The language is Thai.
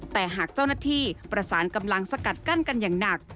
แต่หากเจ้าหน้าที่ประสานกำลังสกัดกั้นกันอย่างหนัก